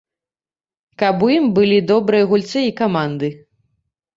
Каб у ім былі добрыя гульцы і каманды.